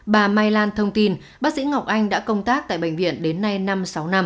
bà mai lan thông tin bác sĩ ngọc anh đã công tác tại bệnh viện đến nay năm sáu năm